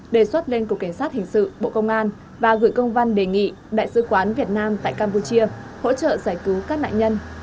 đề xuất lên cục cảnh sát hình sự bộ công an và gửi công văn đề nghị đại sứ quán việt nam tại campuchia hỗ trợ giải cứu các nạn nhân